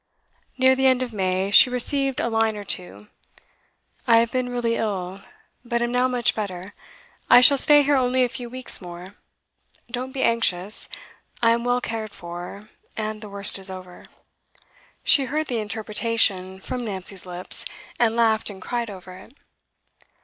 Near the end of May she received a line or two, 'I have been really ill, but am now much better. I shall stay here only a few weeks more. Don't be anxious; I am well cared for, and the worst is over.' She heard the interpretation from Nancy's lips, and laughed and cried over it.